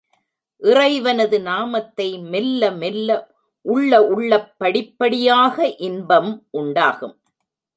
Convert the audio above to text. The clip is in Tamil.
இறைவனது நாமத்தை மெல்ல மெல்ல உள்ள உள்ளப் படிப்படியாக இன்பம் உண்டாகும்.